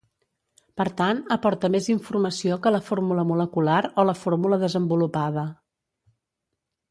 Per tant, aporta més informació que la fórmula molecular o la fórmula desenvolupada.